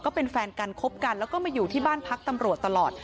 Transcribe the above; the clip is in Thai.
แฟนกันคบกันแล้วก็มาอยู่ที่บ้านพักตำรวจตลอด